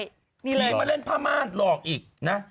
เลยมาเล่นผ้าม่านหลอกอีกนะ